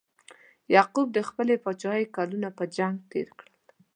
یعقوب د خپلې پاچاهۍ کلونه په جنګ تیر کړل.